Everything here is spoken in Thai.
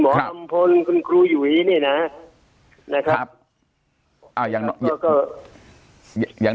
หมออำพลคุณครูอยู่นี่น่ะนะครับอ่าอย่างน้อยก็อย่าง